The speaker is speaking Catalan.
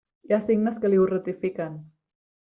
Hi ha signes que li ho ratifiquen.